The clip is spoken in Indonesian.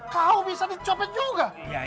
kau bisa dicopet juga